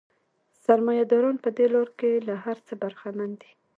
سرمایه داران په دې لار کې له هر څه برخمن دي